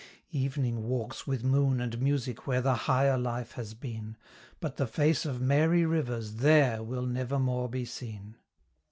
Evening walks with moon and music where the higher life has been; But the face of Mary Rivers there will nevermore be seen.